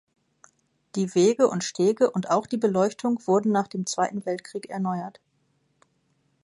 Die Wege und Stege und auch die Beleuchtung wurden nach dem Zweiten Weltkrieg erneuert.